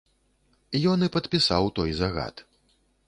Ён і падпісаў той загад.